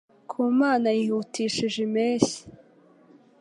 Ku Mana yihutishije impeshyi